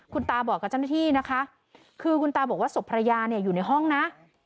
คุณตาบอกกับเจ้าหน้าที่นะคะคือคุณตาบอกว่าศพภรรยาเนี่ยอยู่ในห้องนะ